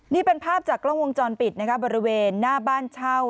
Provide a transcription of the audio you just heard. นี่เป็นภาพจากกล้องวงจรปิดนะคะบริเวณหน้าบ้านเช่า